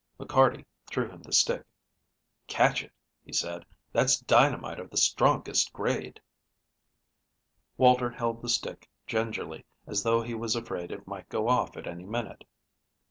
McCarty threw him the stick. "Catch it," he said; "that's dynamite of the strongest grade." Walter held the stick gingerly, as though he was afraid it might go off at any minute.